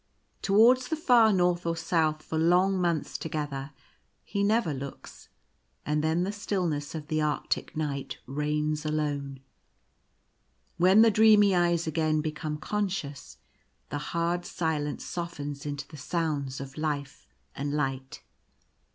Towards the far north or south for long months together he never looks, and then the stillness of the arctic night reigns alone. When the dreamy eyes again become conscious, the hard silence softens into the sounds of life and light.